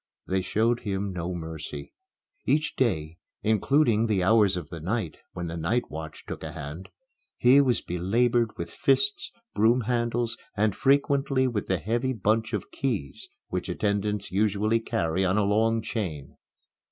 They showed him no mercy. Each day including the hours of the night, when the night watch took a hand he was belabored with fists, broom handles, and frequently with the heavy bunch of keys which attendants usually carry on a long chain.